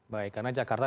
baik karena jakarta